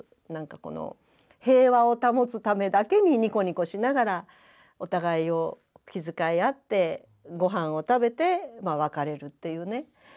この平和を保つためだけにニコニコしながらお互いを気遣い合ってご飯を食べて別れるっていうね。